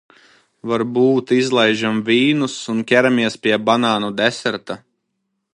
Varbūt izlaižam vīnus un ķeramies pie banānu deserta?